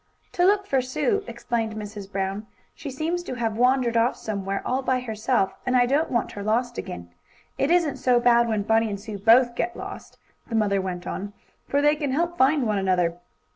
"To look for Sue," explained Mrs. Brown. "She seems to have wandered off somewhere all by herself, and I don't want her lost again. It isn't so bad when Bunny and Sue both get lost," the mother went on, "for they can help find one another.